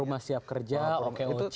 rumah siap kerja okoc